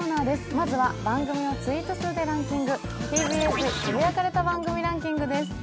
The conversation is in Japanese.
まずは番組をツイート数でランキングＴＢＳつぶやかれたランキングです。